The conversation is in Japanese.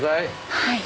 はい。